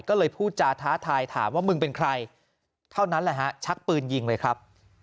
ก็เลยพูดจาท้าทายถามว่ามึงเป็นใครเท่านั้นแหละฮะชักปืนยิงเลยครับ